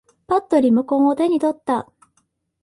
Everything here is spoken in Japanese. ぱっとリモコンを手に取った。